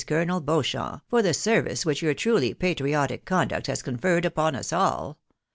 Colonel Beauchamp, for the service which your truly patri otic conduct has conferred upon us all.